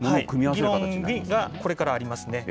議論がこれからありますね。